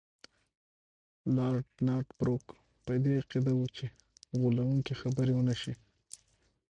لارډ نارت بروک په دې عقیده وو چې غولونکي خبرې ونه شي.